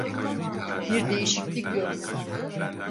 Bir değişiklik yok.